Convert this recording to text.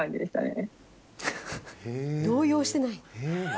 動揺してない。